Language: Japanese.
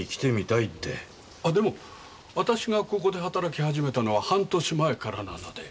でも私がここで働き始めたのは半年前からなので。